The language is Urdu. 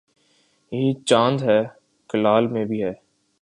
یہی چاند ہے کلاں میں بھی ہے